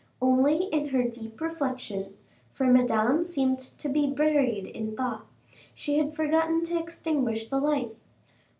Only in her deep reflection, for Madame seemed to be buried in thought, she had forgotten to extinguish the light.